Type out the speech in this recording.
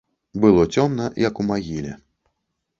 Было цёмна, як у магіле.